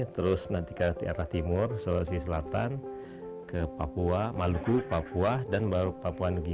terus nanti ke arah timur sulawesi selatan ke papua maluku papua dan baru papua negi